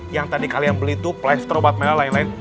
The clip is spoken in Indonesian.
yang tadi kalian beli tuh plaster obat merah lain lain